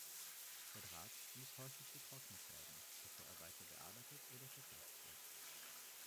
Der Draht muss häufig getrocknet werden, bevor er weiter bearbeitet oder verkauft wird.